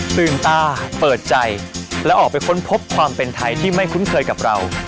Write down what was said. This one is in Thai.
ตื่นตาเปิดใจและออกไปค้นพบความเป็นไทยที่ไม่คุ้นเคยกับเรา